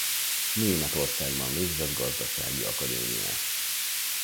Németországban végzett gazdasági akadémiát.